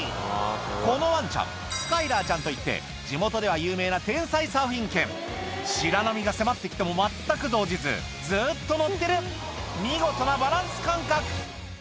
このワンちゃんスカイラーちゃんといって地元では有名な天才サーフィン犬白波が迫って来ても全く動じずずっと乗ってる見事なバランス感覚